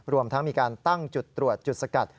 รวมทั้งมีการตั้งจุดตรวจจุดสกัด